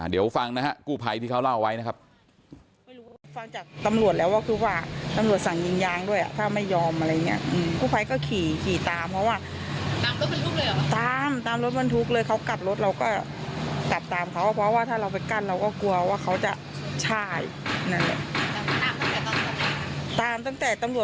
เดี๋ยวฟังนะฮะกู้ภัยที่เขาเล่าไว้นะครับ